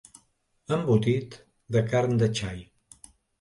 Embotit de carn de xai.